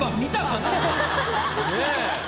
ねえ。